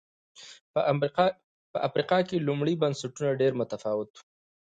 په افریقا کې لومړي بنسټونه ډېر متفاوت و